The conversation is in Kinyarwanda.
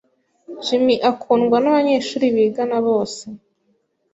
Jim akundwa nabanyeshuri bigana bose.